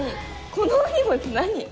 この荷物何？